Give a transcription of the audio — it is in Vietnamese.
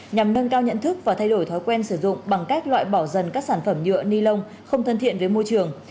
nhằm nâng cao nhận thức và thay đổi thói quen sử dụng bằng cách loại bỏ dần các sản phẩm nhựa ni lông không thân thiện với môi trường